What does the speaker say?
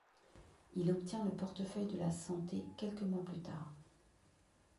Il obtient le portefeuille de la Santé quelques mois plus tard.